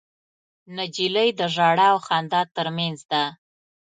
نجلۍ د ژړا او خندا تر منځ ده.